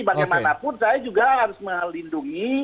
bagaimanapun saya juga harus melindungi